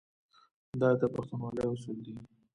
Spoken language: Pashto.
دا د پښتونولۍ اصول دي.